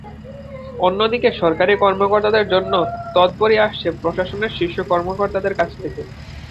অন্যদিকে সরকারি কর্মকর্তাদের জন্য তদবির আসছে প্রশাসনের শীর্ষ কর্মকর্তাদের কাছ থেকে।